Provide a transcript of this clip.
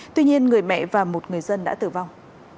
tuy nhiên người mẹ và một người dân đã tử vong